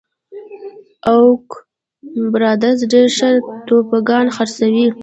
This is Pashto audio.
اوک برادرز ډېر ښه توبوګان خرڅوي.